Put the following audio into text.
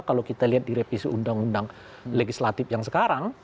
kalau kita lihat di revisi undang undang legislatif yang sekarang